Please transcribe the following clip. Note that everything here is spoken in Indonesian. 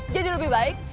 jadi lebih baik